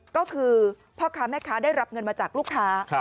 ก็คือพ่อค้าแม่ค้าได้รับเงินมาจากลูกค้า